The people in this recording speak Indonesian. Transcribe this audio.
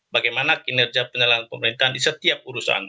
bagaimana kinerja penyelenggaraan pemerintahan di setiap urusan